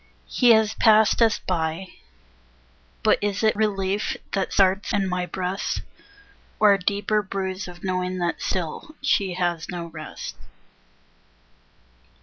He has passed us by; but is it Relief that starts in my breast? Or a deeper bruise of knowing that still She has no rest.